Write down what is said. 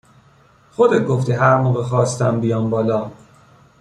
خودت گفتی هر موقع خواستم بیام بالا